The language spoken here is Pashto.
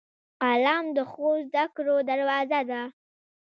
قلم د ښو زدهکړو دروازه ده